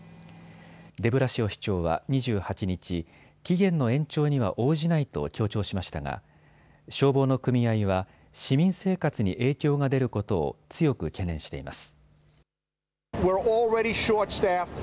デブラシオ市長は２８日、期限の延長には応じないと強調しましたが消防の組合は市民生活に影響が出ることを強く懸念しています。